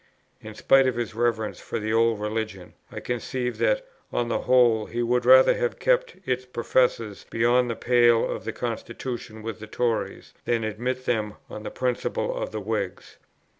In spite of his reverence for the Old Religion, I conceive that on the whole he would rather have kept its professors beyond the pale of the Constitution with the Tories, than admit them on the principles of the Whigs.